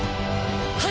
はい！